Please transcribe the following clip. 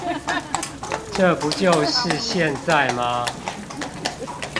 這不就是現在嗎